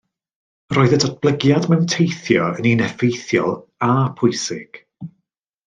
Roedd y datblygiad mewn teithio yn un effeithiol a pwysig